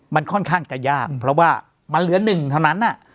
มันค่อนข้างจะยากเพราะว่ามันเหลือหนึ่งเท่านั้น